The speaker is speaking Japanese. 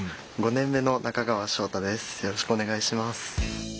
よろしくお願いします。